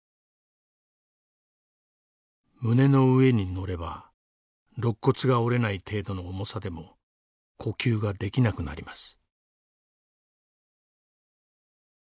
胸の上に載ればろっ骨が折れない程度の重さでも呼吸ができなくなります。